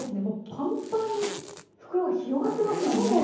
もうパンパンに袋が広がってますもんね。